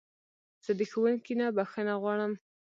زه د ښوونکي نه بخښنه غواړم.